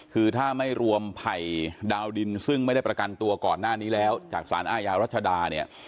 คือถ้าไม่รวมไผ่ดาวดินซึ่งไม่ได้ประกันตัวก่อนหน้านี้แล้วจากสารอาญารัชดาเนี่ย